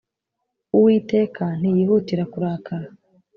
Uwiteka ntiyihutira kurakara